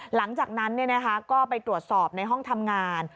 หลังจากนั้นก็ไปตรวจสอบในห้องทำงาน